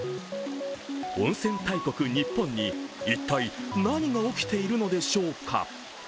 温泉大国日本に一体、何が起きているのでしょうか？